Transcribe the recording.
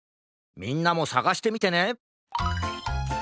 みんなもさがしてみてね！